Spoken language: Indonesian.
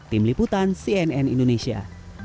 tim liputan cnn indonesia